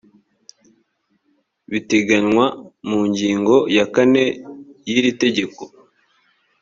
biteganywa mu ngingo ya kane y iri tegeko